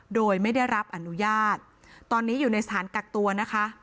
โดยไม่ได้รับอนุญาตตอนนี้อยู่ในสถานกักตัวนะคะ